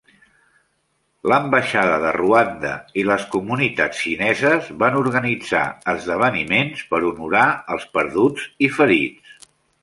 L'ambaixada de Rwanda i les comunitats xineses van organitzar esdeveniments per honrar els perduts i ferits.